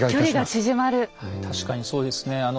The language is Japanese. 確かにそうですね。